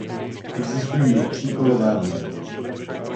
Existují i tříkolové vozíky.